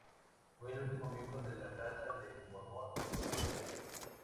Fue el último miembro de la Casa de Borbón-Maine.